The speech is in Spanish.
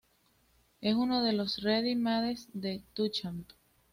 Es uno de los ready-mades de Duchamp.